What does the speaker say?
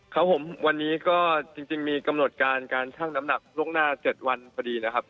ครับผมวันนี้ก็จริงมีกำหนดการการชั่งน้ำหนักล่วงหน้า๗วันพอดีนะครับ